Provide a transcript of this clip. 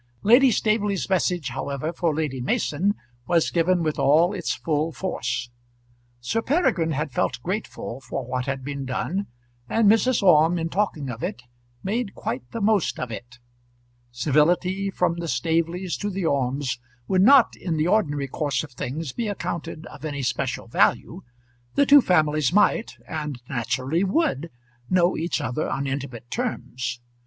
Lady Staveley's message, however, for Lady Mason was given with all its full force. Sir Peregrine had felt grateful for what had been done, and Mrs. Orme, in talking of it, made quite the most of it. Civility from the Staveleys to the Ormes would not, in the ordinary course of things, be accounted of any special value. The two families might, and naturally would, know each other on intimate terms.